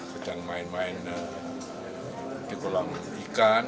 sedang main main di kolam ikan